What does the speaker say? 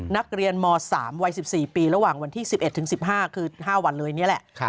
นักเรียนม๓วัย๑๔ปีระหว่างวันที่๑๑ถึง๑๕คือ๕วันเลยนี่แหละ